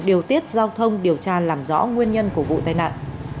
điều tiết giao thông điều tra làm rõ nguyên nhân của vụ tai nạn